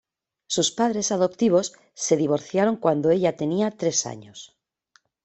Sus padres adoptivos se divorciaron cuando ella tenía tres años.